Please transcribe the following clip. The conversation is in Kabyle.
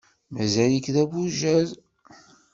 Mazal-ik d abujad.